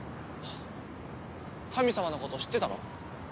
神様のこと知ってたの？